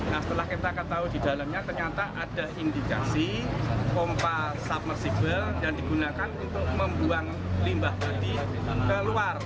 nah setelah kita ketahui di dalamnya ternyata ada indikasi pompa submersible yang digunakan untuk membuang limbah tadi keluar